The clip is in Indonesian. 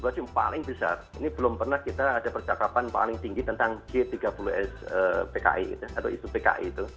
pertama tahun dua ribu tujuh belas itu paling besar ini belum pernah kita ada percakapan paling tinggi tentang g tiga puluh s pki